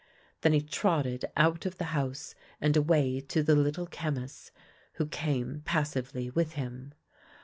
Then he trotted out of the house and away to the Little Chemist, who came passively with him.